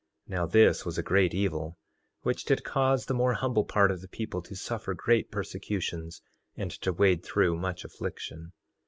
Now this was a great evil, which did cause the more humble part of the people to suffer great persecutions, and to wade through much affliction.